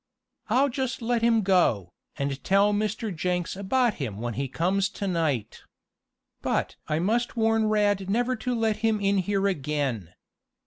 "I'll just let him go, and tell Mr. Jenks about him when he comes to night. But I must warn Rad never to let him in here again.